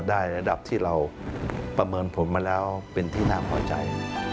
ระดับที่เราประเมินผลมาแล้วเป็นที่น่าพอใจ